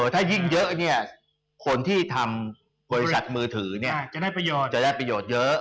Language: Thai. ถ้ายิ่งเยอะคนที่ทำบริษัทมือถือจะได้ประโยชน์เยอะ